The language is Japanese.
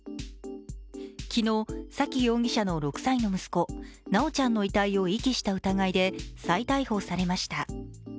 昨日、沙喜容疑者の６歳の息子修ちゃんの遺体を遺棄した疑いで再逮捕されました。